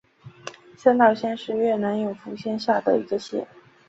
三岛县是越南永福省下辖的一个县。